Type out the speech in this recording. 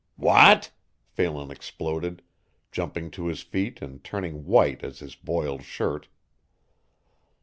"What!" Phelan exploded, jumping to his feet and turning white as his boiled shirt.